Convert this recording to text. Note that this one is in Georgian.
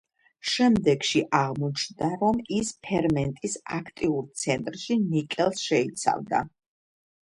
შემდეგში აღმოჩნდა, რომ ის ფერმენტის აქტიურ ცენტრში ნიკელს შეიცავდა.